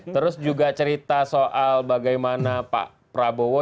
terus juga cerita soal bagaimana pak prabowo